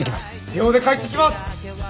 秒で帰ってきます！